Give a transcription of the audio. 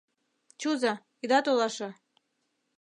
Чуза, ида толаше.